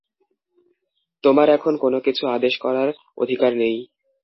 তোমার এখন কোন কিছু আদেশ করার অধিকার নেই।